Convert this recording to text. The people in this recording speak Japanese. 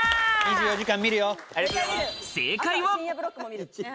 正解は。